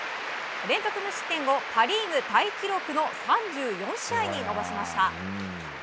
連続無失点をパ・リーグタイ記録の３４試合に延ばしました。